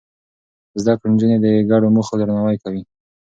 زده کړې نجونې د ګډو موخو درناوی کوي.